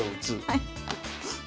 はい。